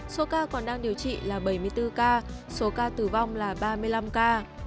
số ca còn đang điều trị là bảy mươi bốn ca số ca tử vong là ba mươi năm ca